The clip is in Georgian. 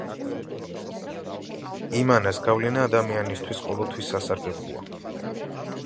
იმანას გავლენა ადამიანისთვის ყოველთვის სასარგებლოა.